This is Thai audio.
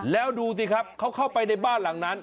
แล้วดูสิครับเขาเข้าไปในบ้านหลังนั้น